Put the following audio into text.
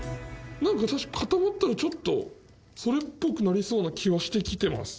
なんか確かに固まったらちょっとそれっぽくなりそうな気はしてきてます。